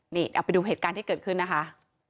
นี่เอาไปดูเหตุการณ์ที่เกิดขึ้นนะคะ